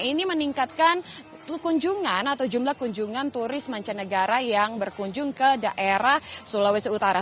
ini meningkatkan kunjungan atau jumlah kunjungan turis mancanegara yang berkunjung ke daerah sulawesi utara